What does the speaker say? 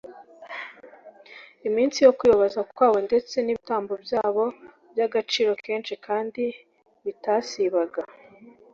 iminsi yo kwibabaza kwabo ndetse nibitambo byabo byagaciro kenshi kandi bitasibaga